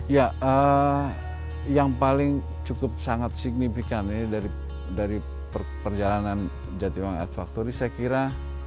ya yang paling cukup sangat signifikan ini dari perjalanan jatibang art factory saya kira